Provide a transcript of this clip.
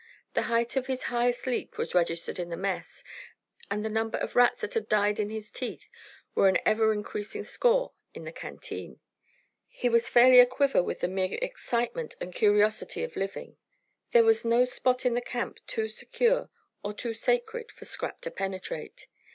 The height of his highest leap was registered in the mess, and the number of rats that had died in his teeth were an ever increasing score in the canteen. He was fairly aquiver with the mere excitement and curiosity of living. There was no spot in the camp too secure or too sacred for Scrap to penetrate.